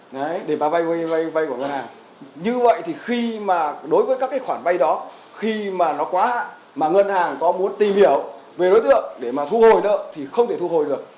đấy để mà vay vay của ngân hàng như vậy thì khi mà đối với các cái khoản vay đó khi mà nó quá hạn mà ngân hàng có muốn tìm hiểu về đối tượng để mà thu hồi nợ thì không thể thu hồi được